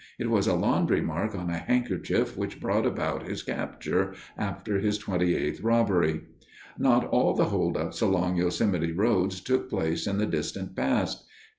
It was a laundry mark on a handkerchief which brought about his capture after his twenty eighth robbery. Not all the holdups along Yosemite roads took place in the distant past.